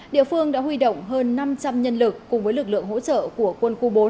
địa phương đã huy động hơn năm trăm linh nhân lực cùng với lực lượng hỗ trợ của quân khu bốn